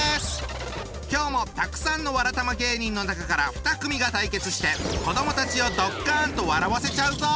今日もたくさんのわらたま芸人の中から２組が対決して子どもたちをドッカンと笑わせちゃうぞ！